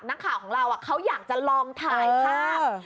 นักข่าวของเราเขาอยากจะลองถ่ายภาพ